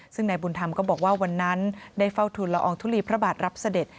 ซึ่งนายบุญธรรมก็บอกว่าวันนั้นได้เฝ้าทุนละอองทุลีพระบาทรับเสด็จ